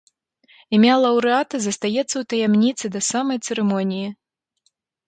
Імя лаўрэата застаецца ў таямніцы да самай цырымоніі.